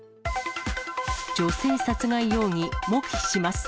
女性殺害容疑、黙秘します。